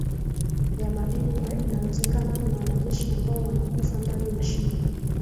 ya madini na inawezekana kuna wanajeshi ambao wanakufa ndani ya shimo